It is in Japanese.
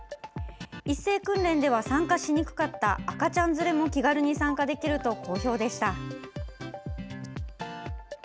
一斉訓練では参加しにくかった赤ちゃん連れも気軽に参加できると好評でした。